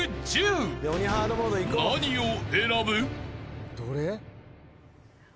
［何を選ぶ？］